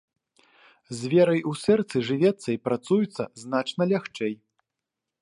З верай у сэрцы жывецца і працуецца значна лягчэй.